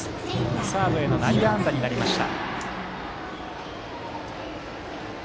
サードへの内野安打になりました。